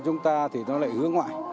chúng ta thì nó lại hướng ngoại